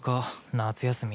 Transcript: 夏休み。